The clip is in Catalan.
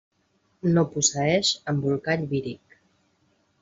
No posseeix embolcall víric.